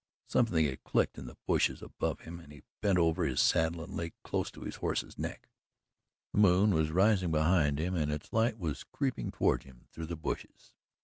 Something had clicked in the bushes above him and he bent over his saddle and lay close to his horse's neck. The moon was rising behind him and its light was creeping toward him through the bushes.